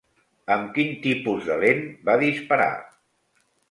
Amb quin tipus de lent va disparar?